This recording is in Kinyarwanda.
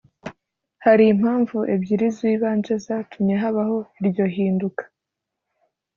Hari impamvu ebyiri z ibanze zatumye habaho iryo hinduka